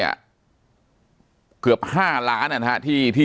ปากกับภาคภูมิ